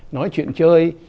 nói chuyện chơi